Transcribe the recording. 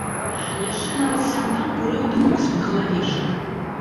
Яшчэ нават сям-там курэў дымок з-пад галавешак.